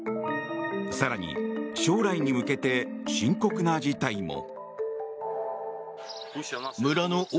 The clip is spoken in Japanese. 更に、将来に向けて深刻な事態も。